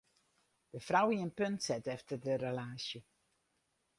De frou hie in punt set efter de relaasje.